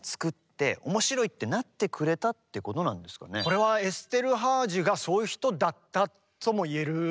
作ってこれはエステルハージがそういう人だったとも言えるかな。